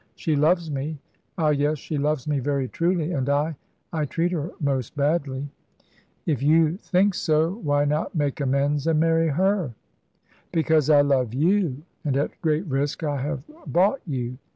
She loves me. Ah, yes, she loves me very truly, and I I treat her most badly." "If you think so, why not make amends and marry her?" "Because I love you, and at great risk I have bought you."